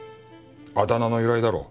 あだ名の由来だろ。